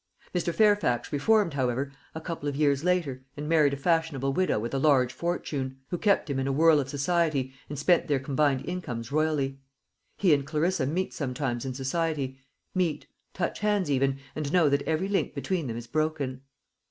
Mr. Fairfax reformed, however, a couple of years later, and married a fashionable widow with a large fortune; who kept him in a whirl of society, and spent their combined incomes royally. He and Clarissa meet sometimes in society meet, touch hands even, and know that every link between them is broken.